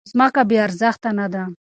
ځمکه بې ارزښته نه ده.